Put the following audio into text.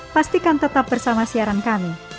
pastikan tetap bersama siaran kami